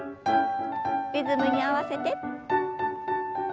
リズムに合わせて。